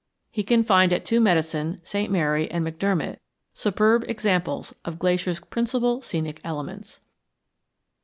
He can find at Two Medicine, St. Mary, and McDermott superb examples of Glacier's principal scenic elements.